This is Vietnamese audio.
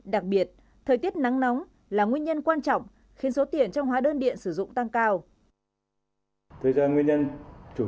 đặc biệt thời tiết nắng nóng là nguyên nhân quan trọng khiến số tiền trong hóa đơn điện sử dụng tăng cao